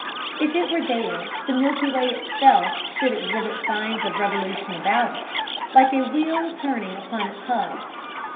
If it were there the Milky Way itself should exhibit signs of revolution about it, like a wheel turning upon its hub.